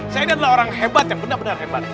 saya ini adalah orang hebat yang benar benar hebat